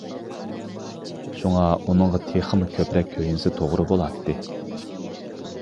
شۇڭا ئۇنىڭغا تېخىمۇ كۆپرەك كۆيۈنسە توغرا بولاتتى.